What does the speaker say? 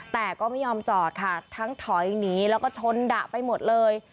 แต่ก็ไม่ยอมจอดค่ะทั้งถอยหนีแล้วก็ชนดะไปหมดเลย